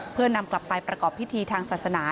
เพื่อนำกลับไปประกอบพิธีทางศาสนา